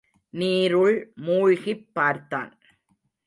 நீருள் மூழ்கிப் பார்த்தான்.